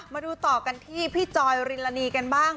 มาดูต่อกันที่พี่จอยริลานีกันบ้าง